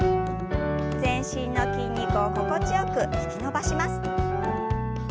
全身の筋肉を心地よく引き伸ばします。